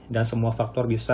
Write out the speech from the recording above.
dan semua faktor bisnisnya